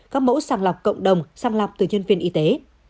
các mẫu sàng lọc cộng đồng sàng lọc từ nhân viên y tế